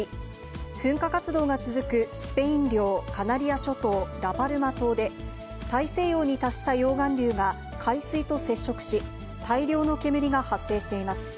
噴火活動が続くスペイン領カナリア諸島ラパルマ島で、大西洋に達した溶岩流が海水と接触し、大量の煙が発生しています。